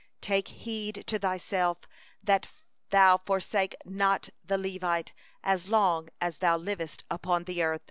19Take heed to thyself that thou forsake not the Levite as long as thou livest upon thy land.